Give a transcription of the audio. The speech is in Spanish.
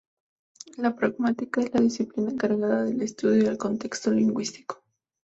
La pragmática es la disciplina encargada del estudio del contexto lingüístico.